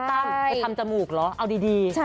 ไปทำจมูกเหรอเอาดี